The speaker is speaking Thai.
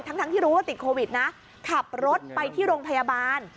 ทั้งที่รู้ว่าติดโควิดนะขับรถไปที่โรงพยาบาล